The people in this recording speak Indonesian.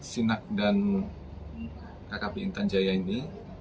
sinak dan kkp intan jaya ini